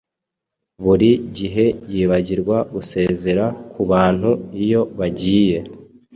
Buri gihe yibagirwa gusezera kubantu iyo bagiye.